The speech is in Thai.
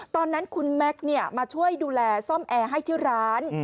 ตอนนั้นคุณแม็กซ์มาช่วยดูแลซ่อมแอร์ให้ที่ร้าน